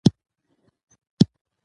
دښمن ته به ماته ورسي.